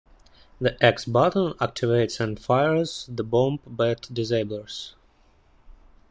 The X button activates and fires the bomb bat disablers.